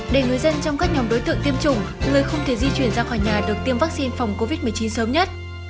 để người dân trong các nhóm đối tượng tiêm chủng người không thể di chuyển ra khỏi nhà được tiêm vaccine phòng covid một mươi chín sớm nhất